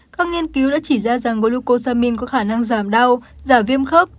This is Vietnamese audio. các nghiên cứu đã chỉ ra rằng glocosamin có khả năng giảm đau giảm viêm khớp